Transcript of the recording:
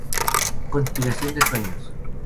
Conspiración de sueños.